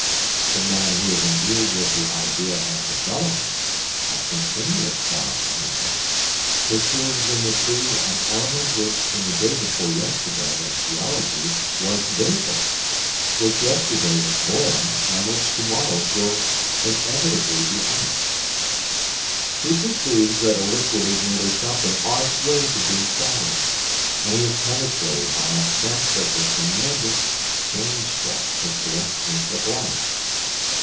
The man who is imbued with the idea of development, of continuous cause and effect, perceives in the sea an element which in the day before yesterday of geology was vapour, which yesterday was boiling, and which to morrow will inevitably be ice. He perceives that a liquid is merely something on its way to be solid, and he is penetrated by a sense of the tremendous, changeful picturesqueness of life.